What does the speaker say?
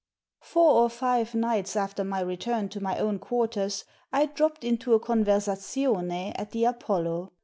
Four or five nights after my return to my own quarters I dropped into a conversazione at the Apollo.